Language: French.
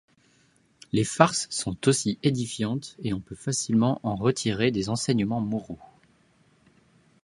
Les farces sont aussi édifiantes et on peut facilement en retirer des enseignements moraux.